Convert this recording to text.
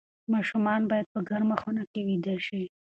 ماشومان باید په ګرمه خونه کې ویده شي.